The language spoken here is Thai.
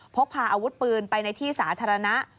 พกพาอาวุธปืนไปในที่สาธารณะ